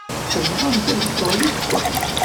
Tebɣamt ad dduɣ yid-kent?